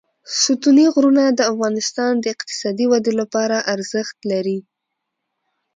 ستوني غرونه د افغانستان د اقتصادي ودې لپاره ارزښت لري.